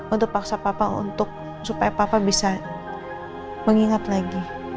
untuk paksa papa untuk supaya papa bisa mengingat lagi